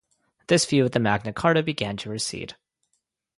This view of Magna Carta began to recede.